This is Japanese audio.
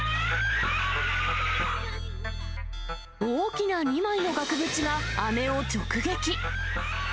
大きな２枚の額縁が姉を直撃。